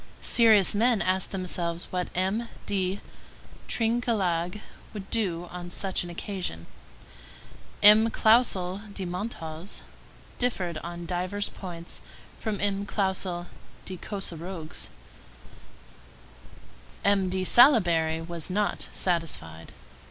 Serious men asked themselves what M. de Trinquelague would do on such or such an occasion; M. Clausel de Montals differed on divers points from M. Clausel de Coussergues; M. de Salaberry was not satisfied.